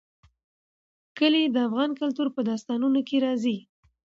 کلي د افغان کلتور په داستانونو کې راځي.